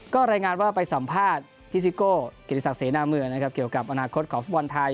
ก็รายงานว่าไปสัมภาษณ์พี่ซิโก้กิติศักดิเสนาเมืองนะครับเกี่ยวกับอนาคตของฟุตบอลไทย